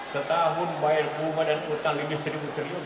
setahun bayar kuma dan utang limit rp satu triliun